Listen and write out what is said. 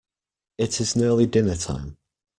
It is nearly dinner-time.